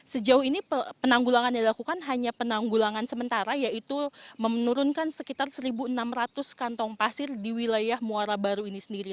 sejauh ini penanggulangan yang dilakukan hanya penanggulangan sementara yaitu menurunkan sekitar satu enam ratus kantong pasir di wilayah muara baru ini sendiri